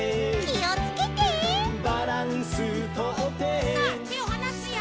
「バランスとって」さあてをはなすよ。